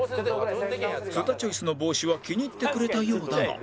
津田チョイスの帽子は気に入ってくれたようだが